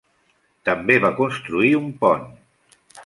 També va construir un pont.